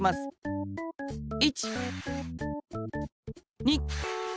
１！２！